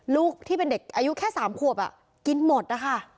ลูกที่เป็นเด็กอายุแค่๓ขวบกินหมดนะคะ